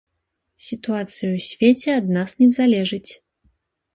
Сітуацыя ў свеце ад нас не залежыць.